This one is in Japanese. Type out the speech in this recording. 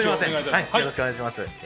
よろしくお願いします。